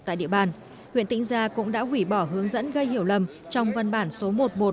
tại địa bàn huyện tỉnh gia cũng đã hủy bỏ hướng dẫn gây hiểu lầm trong văn bản số một nghìn một trăm một mươi ba